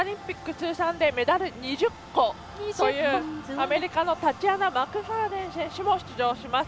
通算でメダル２０個というアメリカのタチアナ・マクファーデン選手も出場します。